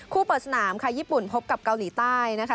เปิดสนามค่ะญี่ปุ่นพบกับเกาหลีใต้นะคะ